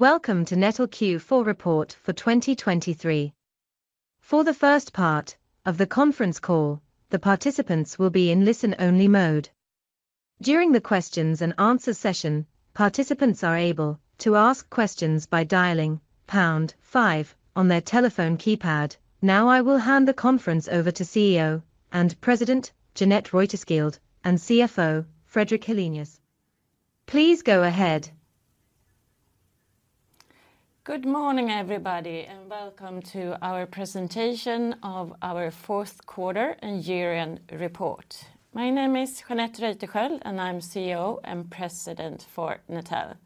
Welcome to Netel Q4 Report for 2023. For the first part of the conference call, the participants will be in listen-only mode. During the questions and answer session, participants are able to ask questions by dialing pound five on their telephone keypad. Now, I will hand the conference over to CEO and President, Jeanette Reuterskiöld, and CFO, Fredrik Helenius. Please go ahead. Good morning, everybody, and welcome to our presentation of our fourth quarter and year-end report. My name is Jeanette Reuterskiöld, and I'm CEO and President for Netel.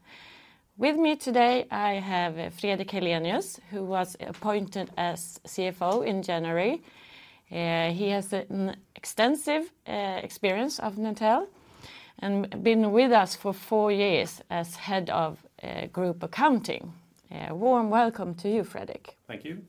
With me today, I have Fredrik Helenius, who was appointed as CFO in January. He has an extensive experience of Netel and been with us for four years as Head of Group Accounting. A warm welcome to you, Fredrik. Thank you.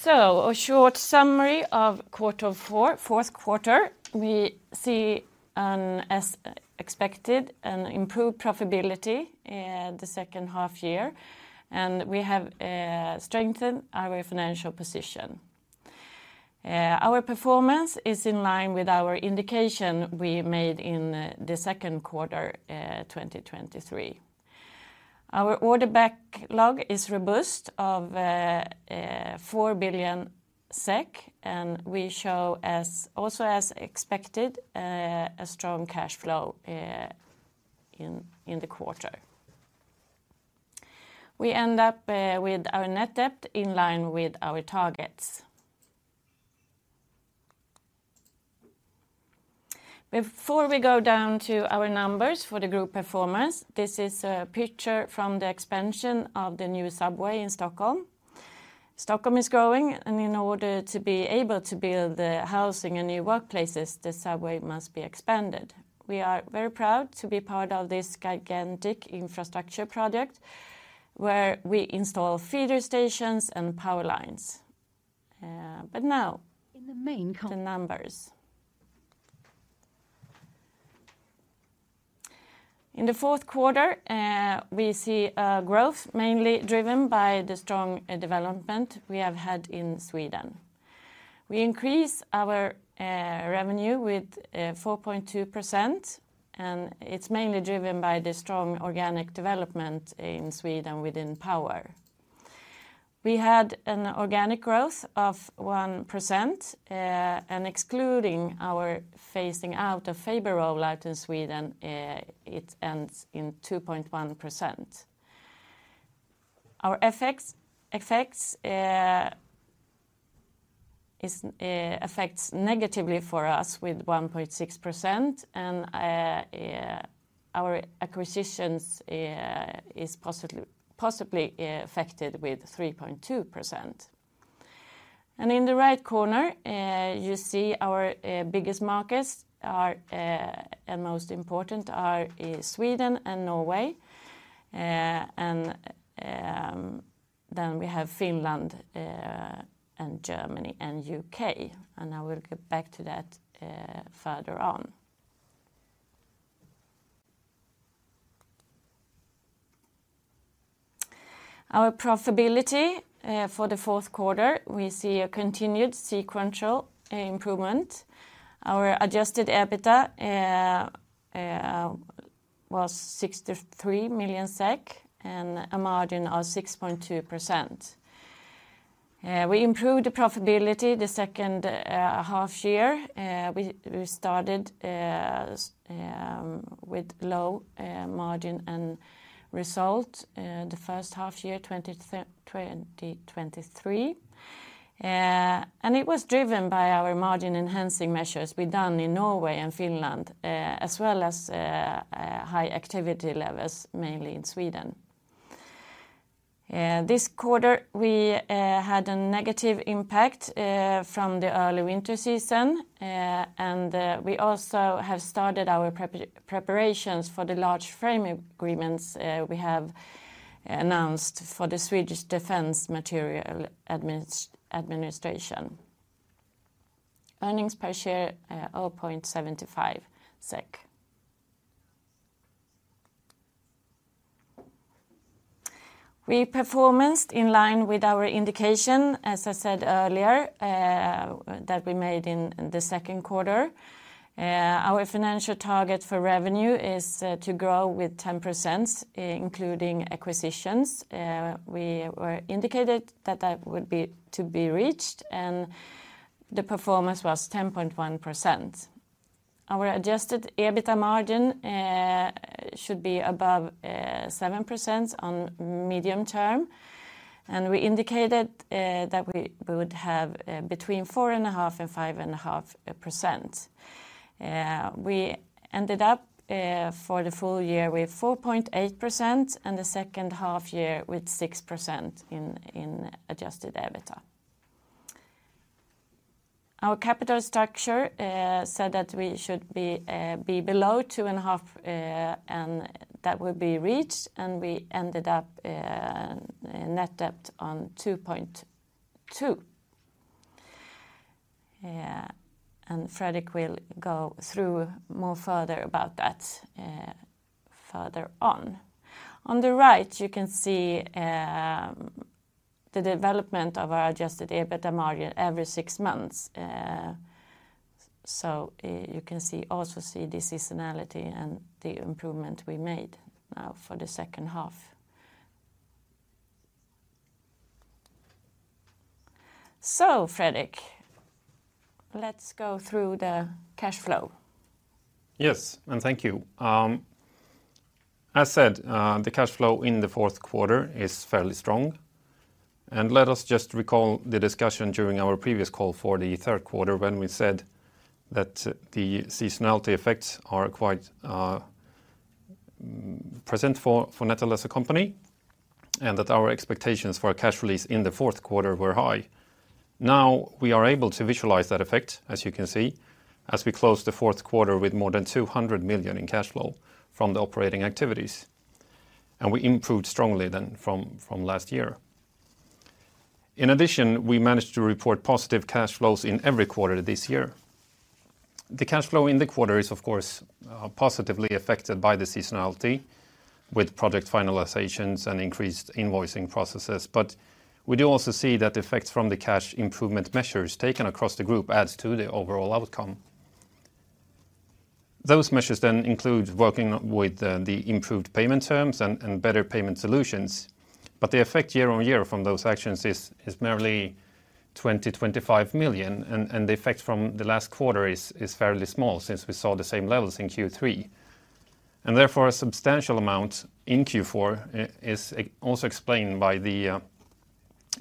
So a short summary of quarter four, fourth quarter. We see an, as expected, an improved profitability in the second half year, and we have strengthened our financial position. Our performance is in line with our indication we made in the second quarter, 2023. Our order backlog is robust of 4 billion SEK, and we show also as expected a strong cash flow in the quarter. We end up with our net debt in line with our targets. Before we go down to our numbers for the group performance, this is a picture from the expansion of the new subway in Stockholm. Stockholm is growing, and in order to be able to build the housing and new workplaces, the subway must be expanded. We are very proud to be part of this gigantic infrastructure project, where we install feeder stations and power lines. But now- In the main... The numbers. In the fourth quarter, we see a growth, mainly driven by the strong development we have had in Sweden. We increase our revenue with 4.2%, and it's mainly driven by the strong organic development in Sweden within power. We had an organic growth of 1%, and excluding our phasing out of fiber rollout in Sweden, it ends in 2.1%. Our FX effects negatively affect us with 1.6%, and our acquisitions positively affect us with 3.2%. And in the right corner, you see our biggest markets are, and most important are Sweden and Norway. And then we have Finland, and Germany, and UK, and I will get back to that further on. Our profitability, for the fourth quarter, we see a continued sequential improvement. Our adjusted EBITDA was 63 million SEK and a margin of 6.2%. We improved the profitability the second half year. We started with low margin and result the first half year, 2023. It was driven by our margin-enhancing measures we done in Norway and Finland, as well as high activity levels, mainly in Sweden. This quarter, we had a negative impact from the early winter season, and we also have started our preparations for the large frame agreements we have announced for the Swedish Defence Materiel Administration. Earnings per share, 0.75 SEK. We performed in line with our indication, as I said earlier, that we made in the second quarter. Our financial target for revenue is to grow with 10%, including acquisitions. We indicated that that would be to be reached, and the performance was 10.1%. Our adjusted EBITDA margin should be above 7% on medium term, and we indicated that we would have between 4.5% and 5.5%. We ended up for the full year with 4.8%, and the second half year with 6% in adjusted EBITDA. Our capital structure said that we should be below 2.5, and that would be reached, and we ended up net debt on 2.2. Yeah, and Fredrik will go through more further about that, further on. On the right, you can see the development of our Adjusted EBITDA margin every six months. So, you can also see the seasonality and the improvement we made now for the second half. So, Fredrik, let's go through the cash flow. Yes, and thank you. As said, the cash flow in the fourth quarter is fairly strong, and let us just recall the discussion during our previous call for the third quarter, when we said that the seasonality effects are quite present for Netel as a company, and that our expectations for a cash release in the fourth quarter were high. Now, we are able to visualize that effect, as you can see, as we close the fourth quarter with more than 200 million in cash flow from the operating activities, and we improved strongly than from last year. In addition, we managed to report positive cash flows in every quarter this year. The cash flow in the quarter is, of course, positively affected by the seasonality with project finalizations and increased invoicing processes. But we do also see that the effects from the cash improvement measures taken across the group adds to the overall outcome. Those measures then include working with the improved payment terms and better payment solutions, but the effect year on year from those actions is merely 20-25 million, and the effect from the last quarter is fairly small since we saw the same levels in Q3. And therefore, a substantial amount in Q4 is also explained by the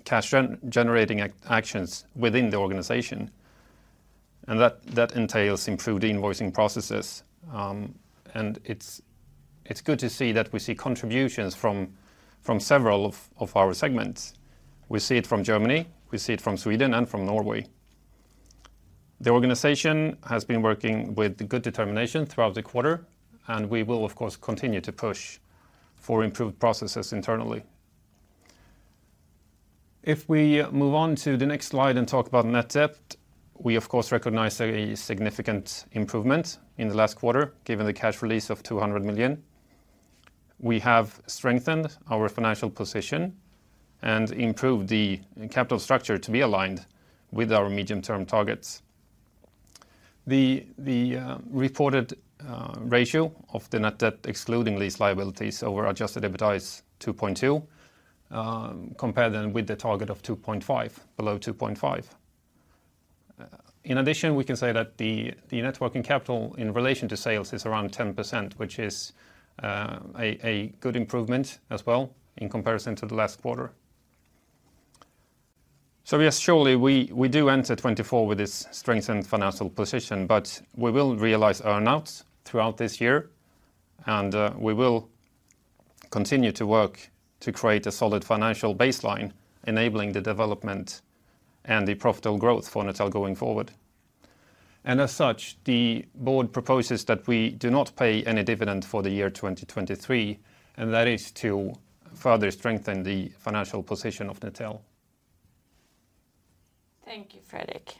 cash generating actions within the organization, and that entails improved invoicing processes. And it's good to see that we see contributions from several of our segments. We see it from Germany, we see it from Sweden, and from Norway. The organization has been working with good determination throughout the quarter, and we will, of course, continue to push for improved processes internally. If we move on to the next slide and talk about Net debt, we of course recognize a significant improvement in the last quarter, given the cash release of 200 million. We have strengthened our financial position and improved the capital structure to be aligned with our medium-term targets. The reported ratio of the Net debt, excluding these liabilities over Adjusted EBITDA is 2.2, compared then with the target of 2.5, below 2.5. In addition, we can say that the net working capital in relation to sales is around 10%, which is a good improvement as well in comparison to the last quarter. So yes, surely, we do enter 2024 with this strengthened financial position, but we will realize earn-outs throughout this year, and we will continue to work to create a solid financial baseline, enabling the development and the profitable growth for Netel going forward. And as such, the board proposes that we do not pay any dividend for the year 2023, and that is to further strengthen the financial position of Netel. Thank you, Fredrik.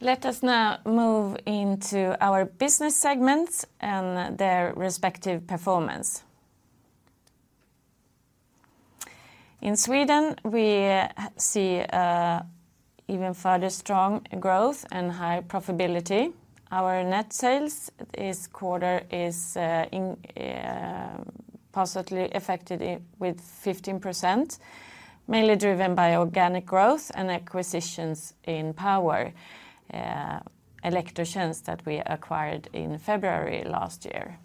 Let us now move into our business segments and their respective performance. In Sweden, we see even further strong growth and high profitability. Our net sales this quarter is positively affected with 15%, mainly driven by organic growth and acquisitions in power, Elektrotjänst that we acquired in February last year.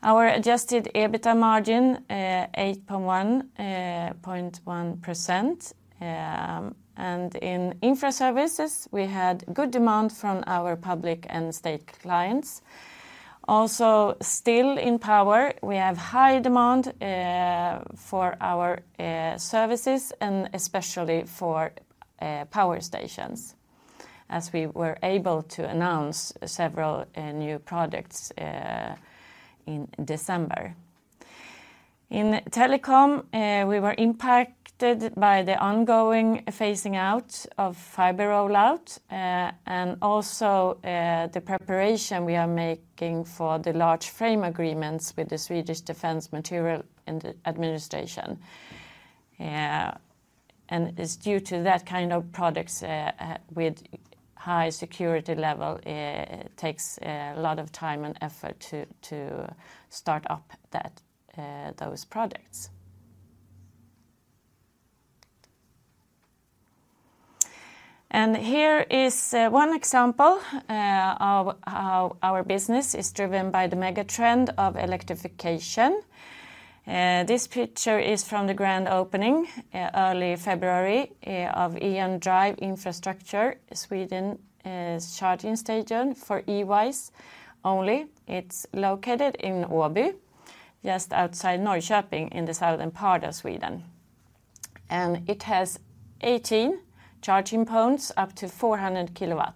Our adjusted EBITDA margin 8.1, point one percent, and in infra services, we had good demand from our public and state clients. Also, still in power, we have high demand for our services, and especially for power stations, as we were able to announce several new products in December. In telecom, we were impacted by the ongoing phasing out of fiber rollout, and also the preparation we are making for the large frame agreements with the Swedish Defense Materiel Administration. It's due to that kind of products with high security level; it takes a lot of time and effort to start up those products. Here is one example of how our business is driven by the mega trend of electrification. This picture is from the grand opening early February of E.ON Drive Infrastructure Sweden charging station for EV only. It's located in Åby, just outside Norrköping in the southern part of Sweden. And it has 18 charging points up to 400 kW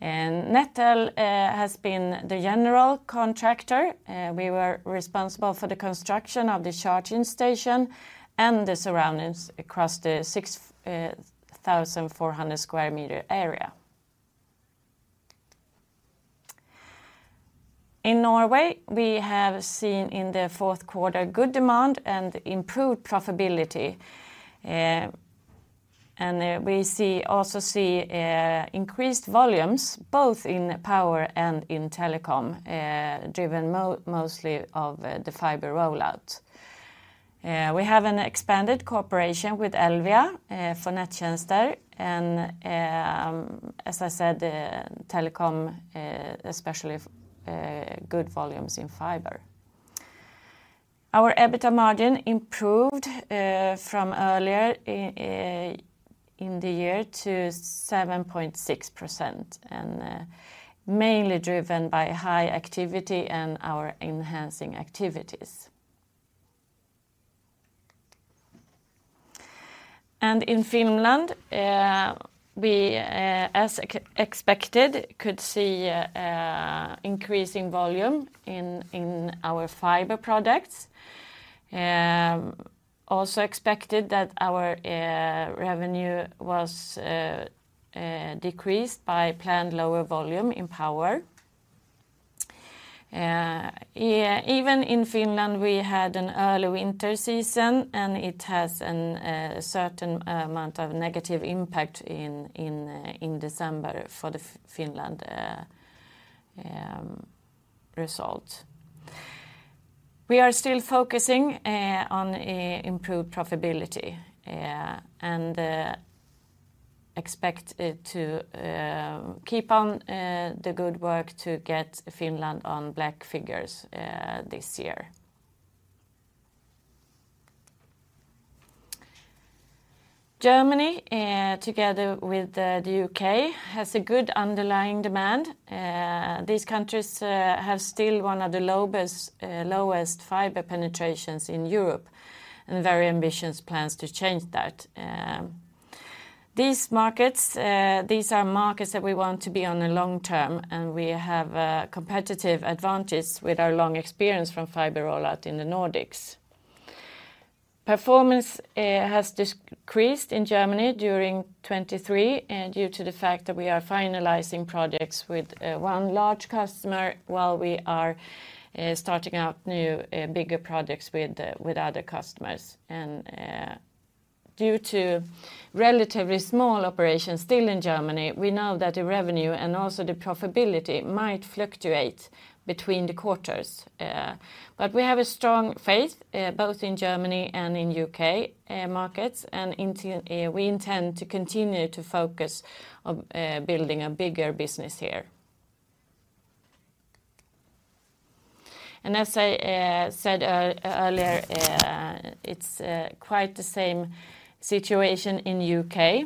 and Netel has been the general contractor. We were responsible for the construction of the charging station and the surroundings across the 6,400-square meter area. In Norway, we have seen in the fourth quarter good demand and improved profitability. We also see increased volumes, both in power and in telecom, driven mostly of the fiber rollout. We have an expanded cooperation with Elvia for Nett-Tjenester, and as I said, telecom especially good volumes in fiber. Our EBITDA margin improved from earlier in the year to 7.6%, and mainly driven by high activity and our enhancing activities. And in Finland, we as expected could see increase in volume in our fiber products. Also expected that our revenue was decreased by planned lower volume in power. Yeah, even in Finland, we had an early winter season, and it has a certain amount of negative impact in December for the Finland result. We are still focusing on improved profitability, and expect it to keep on the good work to get Finland on black figures this year. Germany, together with the U.K., has a good underlying demand. These countries have still one of the lowest fiber penetrations in Europe, and very ambitious plans to change that. These markets, these are markets that we want to be on the long term, and we have a competitive advantage with our long experience from fiber rollout in the Nordics. Performance has decreased in Germany during 2023, and due to the fact that we are finalizing projects with one large customer, while we are starting out new bigger projects with other customers. And due to relatively small operations still in Germany, we know that the revenue and also the profitability might fluctuate between the quarters, but we have a strong faith both in Germany and in U.K. markets, and we intend to continue to focus on building a bigger business here. And as I said earlier, it's quite the same situation in U.K.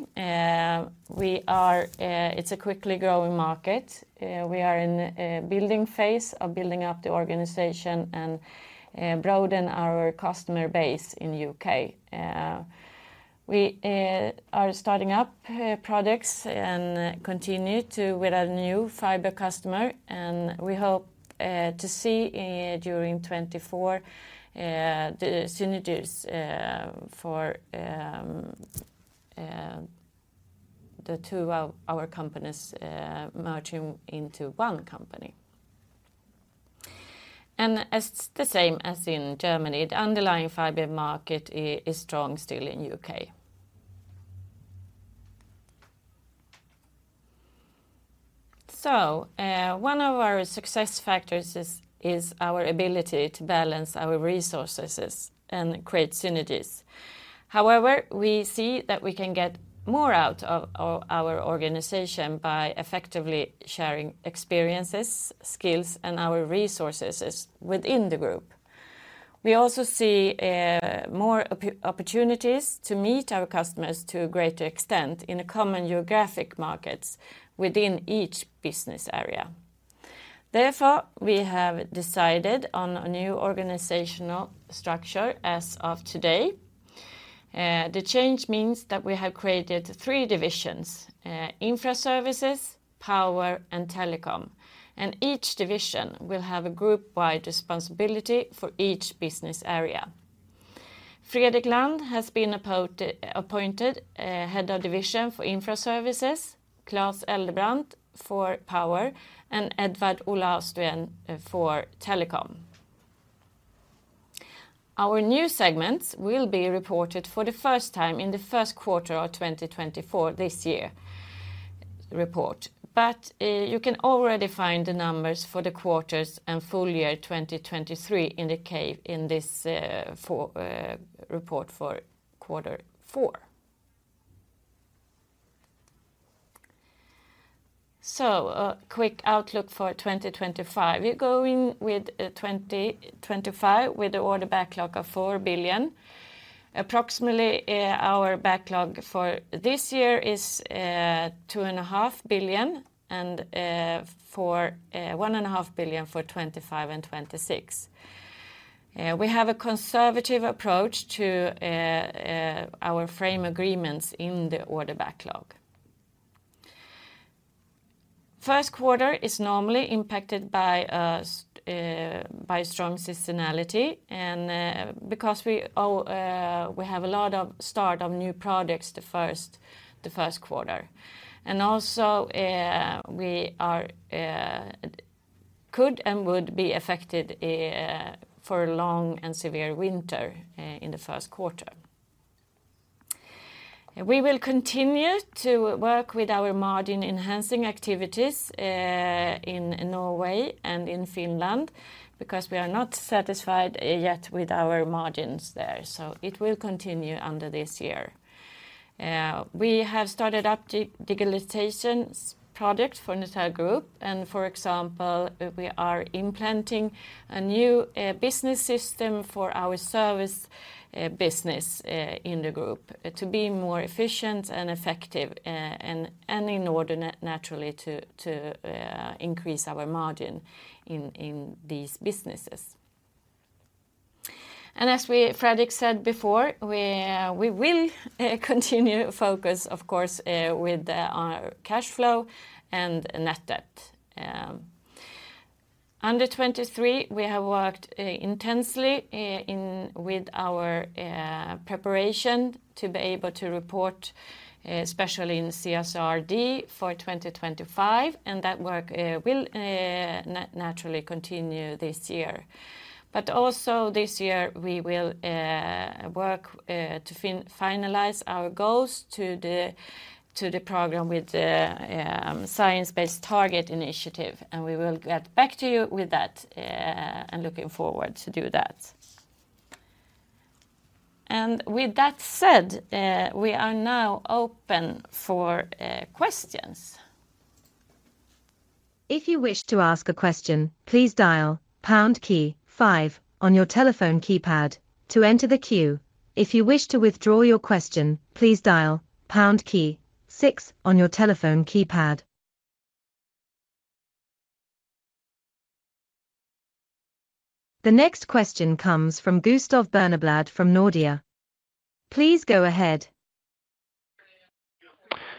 It's a quickly growing market. We are in a building phase of building up the organization and broaden our customer base in the U.K. We are starting up projects and continue to with our new fiber customer, and we hope to see during 2024 the synergies for the two of our companies merging into one company. And as the same as in Germany, the underlying fiber market is strong still in U.K.. So, one of our success factors is our ability to balance our resources and create synergies. However, we see that we can get more out of our organization by effectively sharing experiences, skills, and our resources within the group. We also see more opportunities to meet our customers to a greater extent in the common geographic markets within each business area. Therefore, we have decided on a new organizational structure as of today. The change means that we have created three divisions: infra services, power, and telecom, and each division will have a group-wide responsibility for each business area. Fredrik Land has been appointed head of division for infra services, Klas Eldebrandt for power, and Edward Olaustuen for telecom. Our new segments will be reported for the first time in the first quarter of 2024, this year report. But you can already find the numbers for the quarters and full year 2023 indicated in this Q4 report for quarter four. So, a quick outlook for 2025. We go in with 2025, with the order backlog of 4 billion. Approximately, our backlog for this year is 2.5 billion, and for 1.5 billion for 2025 and 2026.... We have a conservative approach to our frame agreements in the order backlog. First quarter is normally impacted by strong seasonality, and because we have a lot of start of new projects the first quarter. Also, we could and would be affected for a long and severe winter in the first quarter. We will continue to work with our margin-enhancing activities in Norway and in Finland, because we are not satisfied yet with our margins there, so it will continue under this year. We have started up digitalization project for Netel Group, and for example, we are implementing a new business system for our service business in the group to be more efficient and effective, and in order naturally to increase our margin in these businesses. And as Fredrik said before, we will continue focus, of course, with our cash flow and net debt. Under 2023, we have worked intensely in with our preparation to be able to report, especially in CSRD for 2025, and that work will naturally continue this year. But also this year, we will work to finalize our goals to the program with the Science Based Targets initiative, and we will get back to you with that, and looking forward to do that. And with that said, we are now open for questions. If you wish to ask a question, please dial pound key five on your telephone keypad to enter the queue. If you wish to withdraw your question, please dial pound key six on your telephone keypad. The next question comes from Gustav Berneblad from Nordea. Please go ahead.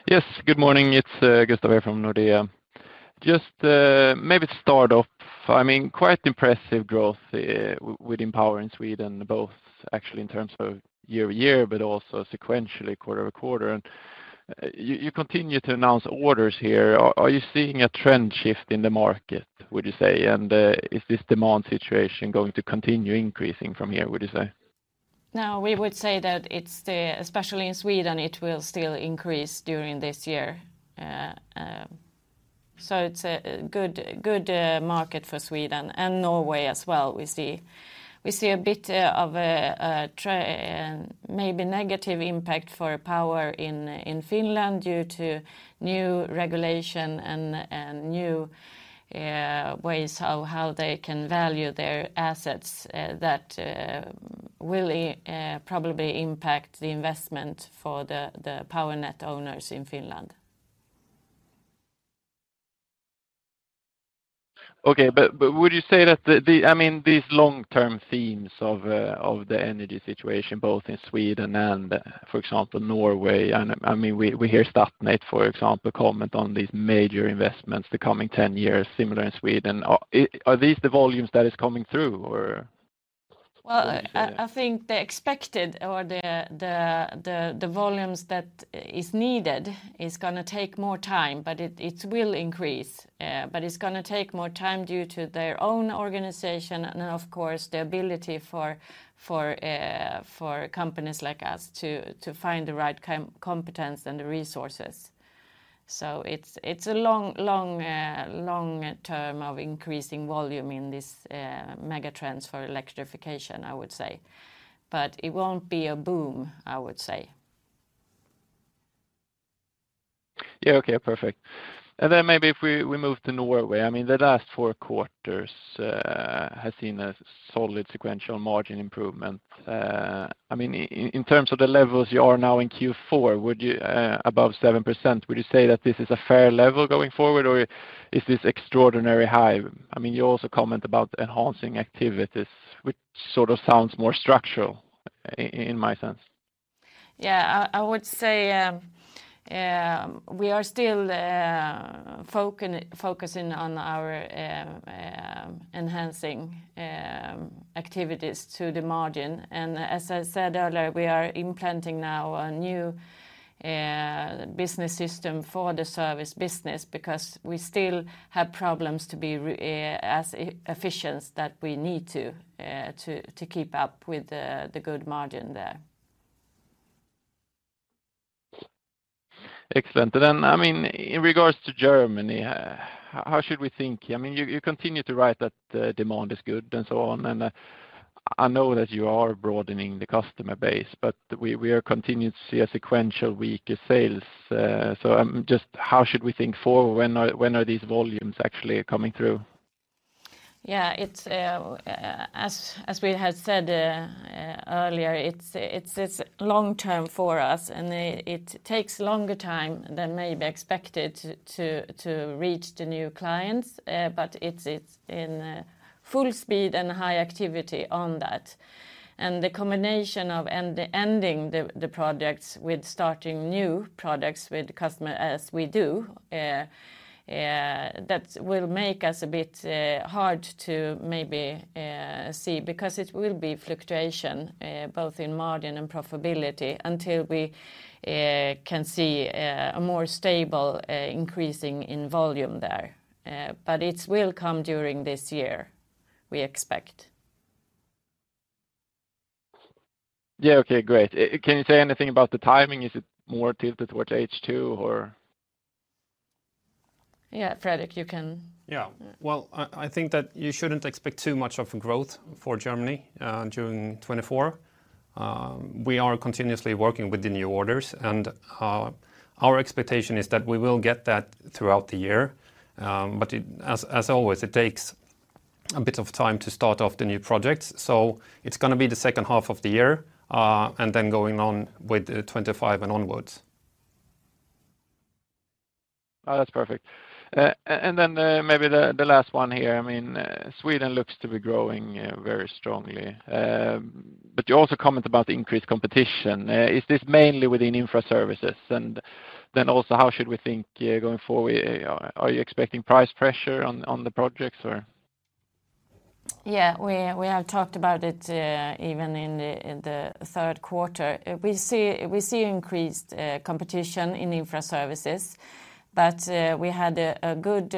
Yes, good morning. It's Gustav from Nordea. Just maybe start off, I mean, quite impressive growth within power in Sweden, both actually in terms of year-over-year, but also sequentially, quarter-over-quarter, and you continue to announce orders here. Are you seeing a trend shift in the market, would you say? And is this demand situation going to continue increasing from here, would you say? No, we would say that it's the, especially in Sweden, it will still increase during this year. So it's a good market for Sweden and Norway as well. We see a bit of a trend, maybe negative impact for power in Finland due to new regulation and new ways of how they can value their assets that will probably impact the investment for the power net owners in Finland. Okay, but would you say that the, I mean, these long-term themes of the energy situation, both in Sweden and, for example, Norway, and I mean, we hear Statnett, for example, comment on these major investments the coming 10 years, similar in Sweden. Are these the volumes that is coming through or...? Well, I think the expected or the volumes that is needed is gonna take more time, but it will increase. But it's gonna take more time due to their own organization, and then, of course, the ability for companies like us to find the right competence and the resources. So it's a long term of increasing volume in this mega trends for electrification, I would say. But it won't be a boom, I would say. Yeah, okay, perfect. And then maybe if we move to Norway, I mean, the last four quarters has seen a solid sequential margin improvement. I mean, in terms of the levels you are now in Q4, would you above 7%, would you say that this is a fair level going forward, or is this extraordinary high? I mean, you also comment about enhancing activities, which sort of sounds more structural in my sense. Yeah, I would say we are still focusing on our enhancing activities to the margin. As I said earlier, we are implementing now a new business system for the service business because we still have problems to be as efficient that we need to keep up with the good margin there. Excellent. And then, I mean, in regards to Germany, how should we think? I mean, you, you continue to write that the demand is good and so on, and, I know that you are broadening the customer base, but we, we are continuing to see a sequential weaker sales. So, just how should we think forward? When are, when are these volumes actually coming through? ... Yeah, it's as we had said earlier, it's long term for us, and it takes longer time than maybe expected to reach the new clients. But it's in full speed and high activity on that. And the combination of ending the projects with starting new projects with customer as we do, that will make us a bit hard to maybe see, because it will be fluctuation both in margin and profitability, until we can see a more stable increasing in volume there. But it will come during this year, we expect. Yeah, okay, great. Can you say anything about the timing? Is it more tilted towards H2 or? Yeah, Fredrik, you can- Yeah. Well, I think that you shouldn't expect too much of growth for Germany during 2024. We are continuously working with the new orders, and our expectation is that we will get that throughout the year. But it... As always, it takes a bit of time to start off the new projects. So it's going to be the second half of the year, and then going on with 2025 and onwards. Oh, that's perfect. And then, maybe the last one here. I mean, Sweden looks to be growing very strongly. But you also comment about the increased competition. Is this mainly within Infra Services? And then also, how should we think going forward? Are you expecting price pressure on the projects, or? Yeah, we have talked about it even in the third quarter. We see increased competition in Infra Services, but we had a good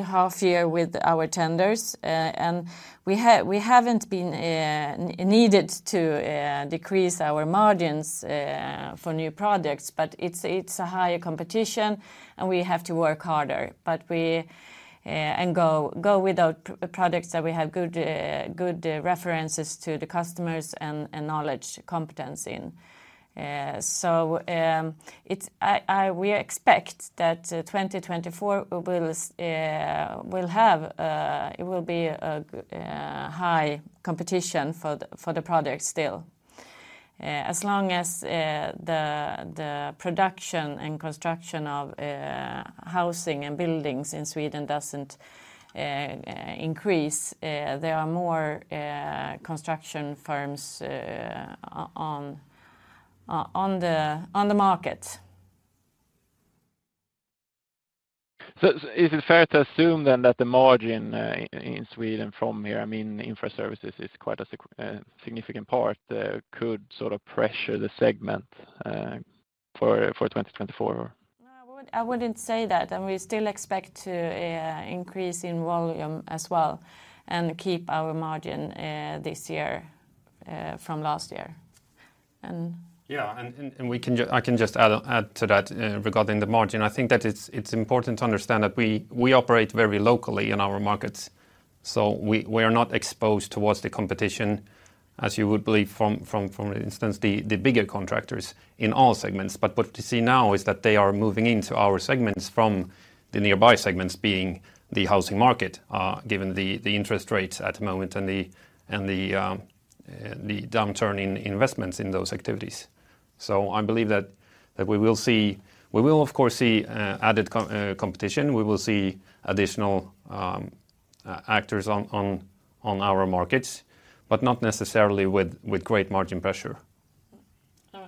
half year with our tenders. And we haven't been needed to decrease our margins for new projects, but it's a higher competition, and we have to work harder. But we and go with the products that we have good references to the customers and knowledge, competence in. So, it's we expect that 2024 will have it will be a high competition for the project still. As long as the production and construction of housing and buildings in Sweden doesn't increase, there are more construction firms on the market. So, is it fair to assume then that the margin in Sweden from here, I mean, Infra Services is quite a significant part, could sort of pressure the segment for 2024? No, I wouldn't, I wouldn't say that, and we still expect to increase in volume as well and keep our margin this year from last year. And- Yeah, I can just add to that regarding the margin. I think that it's important to understand that we operate very locally in our markets, so we are not exposed towards the competition, as you would believe for instance, the bigger contractors in all segments. But what we see now is that they are moving into our segments from the nearby segments, being the housing market, given the interest rates at the moment and the downturn in investments in those activities. So I believe that we will see—we will, of course, see added competition. We will see additional actors on our markets, but not necessarily with great margin pressure.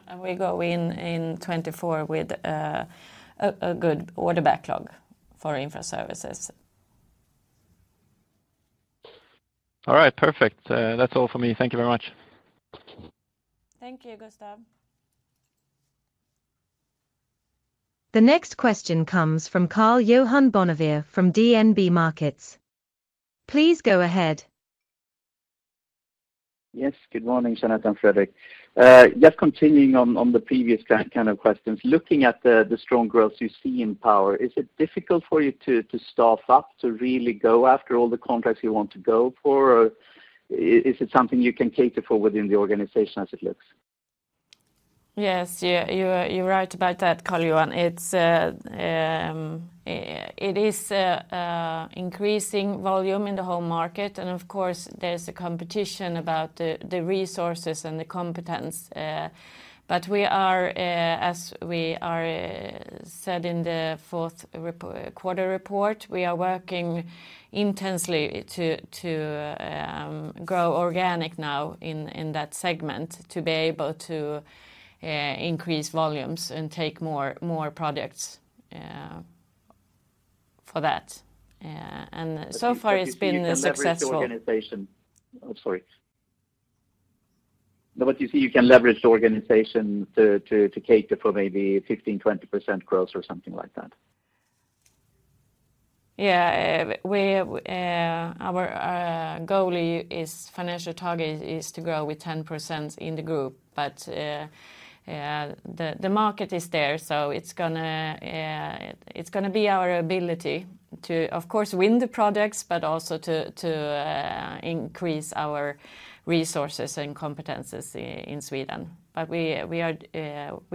And we go in 2024 with a good order backlog for Infra Services. All right. Perfect. That's all for me. Thank you very much. Thank you, Gustav. The next question comes from Karl-Johan Bonnevier from DNB Markets. Please go ahead. Yes, good morning, Jeanette and Fredrik. Just continuing on the previous kind of questions. Looking at the strong growth you see in Power, is it difficult for you to staff up, to really go after all the contracts you want to go for? Or is it something you can cater for within the organization as it looks? Yes, yeah, you are, you're right about that, Karl-Johan. It is increasing volume in the whole market, and of course, there's a competition about the resources and the competence. But we are, as we said in the fourth quarter report, we are working intensely to grow organic now in that segment, to be able to increase volumes and take more products for that. And so far it's been successful- You can leverage the organization... Oh, sorry. But you see, you can leverage the organization to cater for maybe 15%-20% growth or something like that? Yeah, our financial target is to grow with 10% in the group. But the market is there, so it's gonna be our ability to, of course, win the products, but also to increase our resources and competencies in Sweden. But we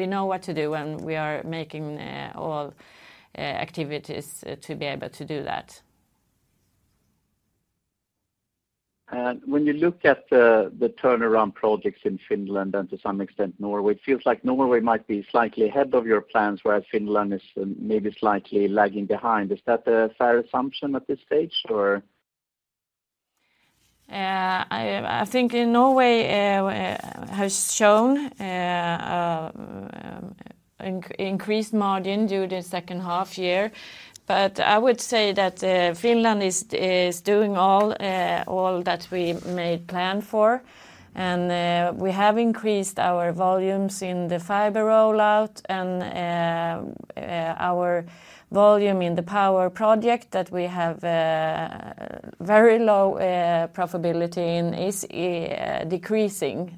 know what to do, and we are making all activities to be able to do that. ... When you look at the turnaround projects in Finland and to some extent Norway, it feels like Norway might be slightly ahead of your plans, whereas Finland is maybe slightly lagging behind. Is that a fair assumption at this stage, or? I think in Norway has shown increased margin during the second half year. But I would say that Finland is doing all that we made plan for. And we have increased our volumes in the fiber rollout and our volume in the power project that we have very low profitability in is decreasing.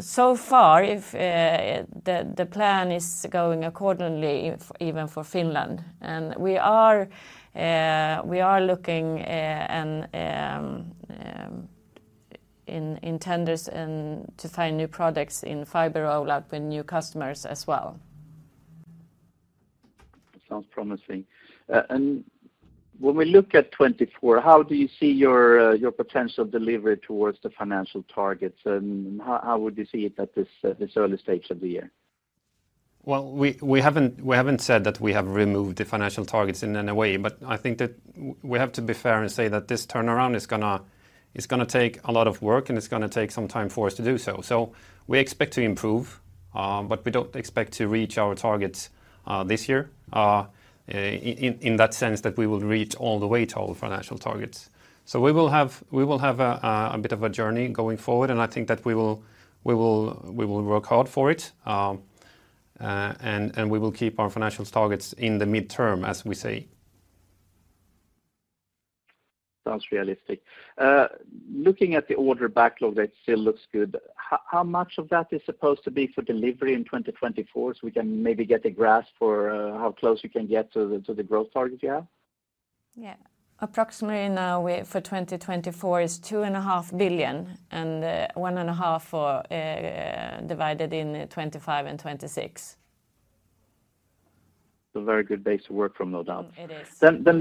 So far, the plan is going accordingly for even for Finland. And we are looking in tenders and to find new products in fiber rollout with new customers as well. Sounds promising. And when we look at 2024, how do you see your your potential delivery towards the financial targets? And how how would you see it at this this early stage of the year? Well, we haven't said that we have removed the financial targets in any way, but I think that we have to be fair and say that this turnaround is gonna take a lot of work, and it's gonna take some time for us to do so. So we expect to improve, but we don't expect to reach our targets this year. In that sense, that we will reach all the way to all financial targets. So we will have a bit of a journey going forward, and I think that we will work hard for it. And we will keep our financial targets in the midterm, as we say. Sounds realistic. Looking at the order backlog, that still looks good. How much of that is supposed to be for delivery in 2024, so we can maybe get a grasp for how close you can get to the growth target you have? Yeah. Approximately now we, for 2024 is 2.5 billion, and 1.5 for, divided in 2025 and 2026. A very good base to work from, no doubt. It is. Then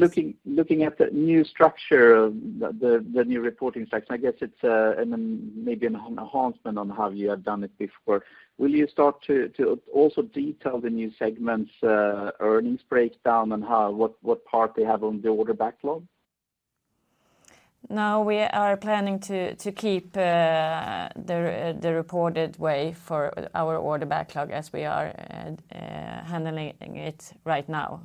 looking at the new structure of the new reporting structure, I guess it's and then maybe an enhancement on how you have done it before. Will you start to also detail the new segments, earnings breakdown and how what part they have on the order backlog? No, we are planning to keep the reported way for our order backlog as we are handling it right now.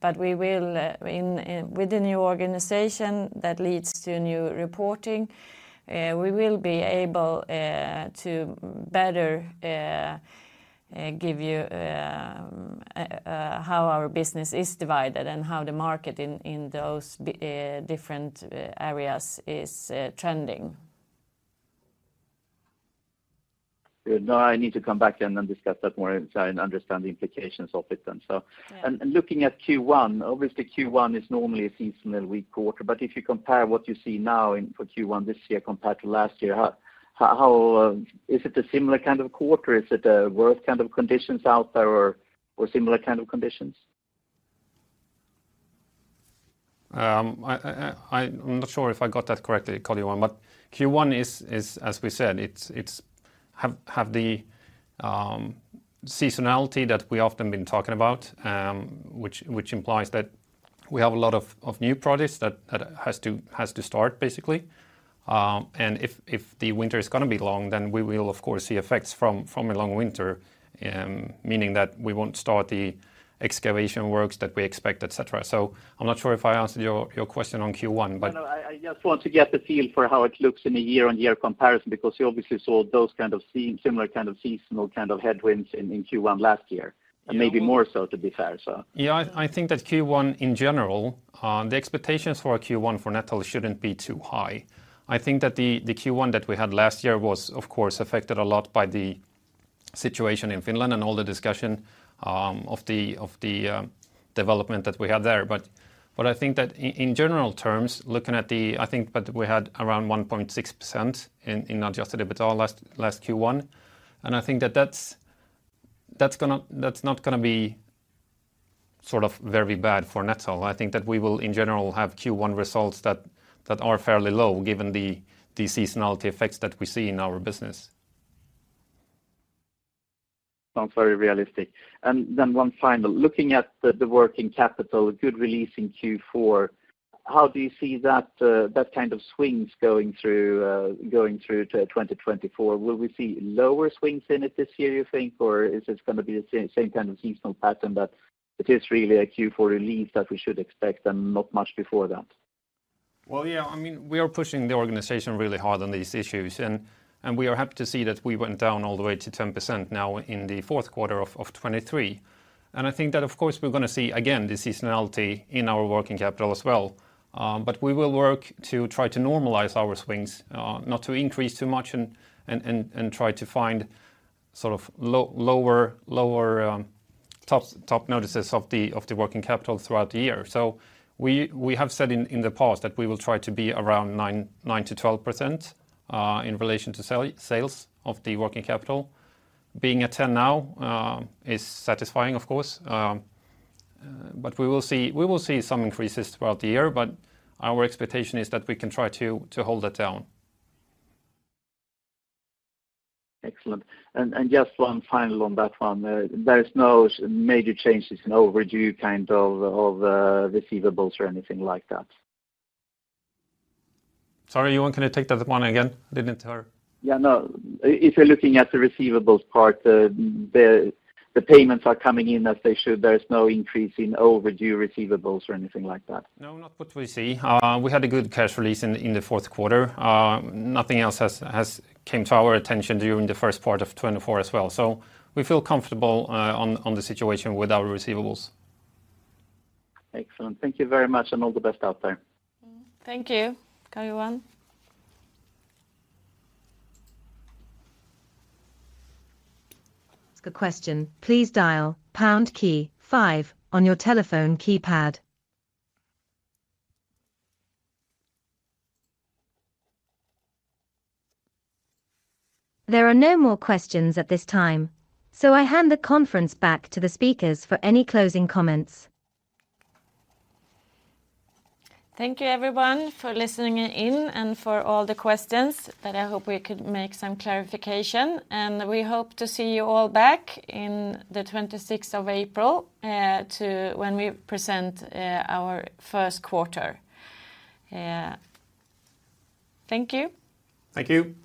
But we will, with the new organization that leads to new reporting, be able to better give you how our business is divided and how the market in those different areas is trending. Good. Now I need to come back and then discuss that more and try and understand the implications of it then, so. Yeah. And looking at Q1, obviously, Q1 is normally a seasonally weak quarter, but if you compare what you see now in for Q1 this year compared to last year, how is it a similar kind of quarter? Is it a worse kind of conditions out there or similar kind of conditions? I'm not sure if I got that correctly, Karl-Johan, but Q1 is, as we said, it has the seasonality that we often been talking about, which implies that we have a lot of new projects that has to start, basically. And if the winter is gonna be long, then we will of course see effects from a long winter, meaning that we won't start the excavation works that we expect, et cetera. So I'm not sure if I answered your question on Q1, but- No, no, I just want to get the feel for how it looks in a year-on-year comparison, because you obviously saw those kind of seem similar kind of seasonal kind of headwinds in Q1 last year. Mm-hmm. And maybe more so, to be fair, so. Yeah, I think that Q1 in general, the expectations for a Q1 for Netel shouldn't be too high. I think that the Q1 that we had last year was, of course, affected a lot by the situation in Finland and all the discussion of the development that we have there. But I think that in general terms, looking at the... I think that we had around 1.6% in adjusted EBITDA last Q1, and I think that that's not gonna be sort of very bad for Netel. I think that we will, in general, have Q1 results that are fairly low, given the seasonality effects that we see in our business. Sounds very realistic. And then one final, looking at the, the working capital, good release in Q4, how do you see that, that kind of swings going through, going through to 2024? Will we see lower swings in it this year, you think, or is this gonna be the same, same kind of seasonal pattern, that it is really a Q4 release that we should expect and not much before that? Well, yeah, I mean, we are pushing the organization really hard on these issues, and we are happy to see that we went down all the way to 10% now in the fourth quarter of 2023. And I think that of course, we're gonna see again, the seasonality in our working capital as well. But we will work to try to normalize our swings, not to increase too much and try to find sort of lower top notices of the working capital throughout the year. So we have said in the past that we will try to be around 9%-12% in relation to sales of the working capital. Being at 10 now is satisfying of course, but we will see, we will see some increases throughout the year, but our expectation is that we can try to hold that down. Excellent. And just one final on that one, there is no major changes in overdue kind of receivables or anything like that? Sorry, Johan, can I take that one again? I didn't hear. Yeah, no. If you're looking at the receivables part, the payments are coming in as they should. There is no increase in overdue receivables or anything like that? No, not what we see. We had a good cash release in the fourth quarter. Nothing else has came to our attention during the first part of 2024 as well. So we feel comfortable on the situation with our receivables. Excellent. Thank you very much, and all the best out there. Thank you, Karl-Johan. Ask a question, please dial pound key five on your telephone keypad. There are no more questions at this time, so I hand the conference back to the speakers for any closing comments. Thank you everyone for listening in and for all the questions, that I hope we could make some clarification. We hope to see you all back in the April 26th, to when we present our first quarter. Thank you. Thank you!